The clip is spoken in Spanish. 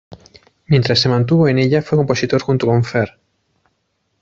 Mientras se mantuvo en ella fue compositor junto con Fher.